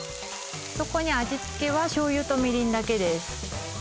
そこに味付けは醤油とみりんだけです